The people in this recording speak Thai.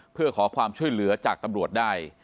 เพื่อขอความช่วยเหลือจากตำรวจได้